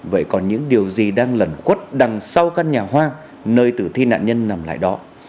vậy còn những điều gì đang lẩn quất đằng sau căn nhà hoang nơi tử thi nạn nhân nằm lại đó